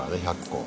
１００個。